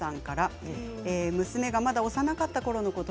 娘がまだ幼かったころのこと。